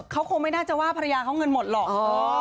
เขาคงไม่น่าจะว่าภรรยาเขาเงินหมดหรอก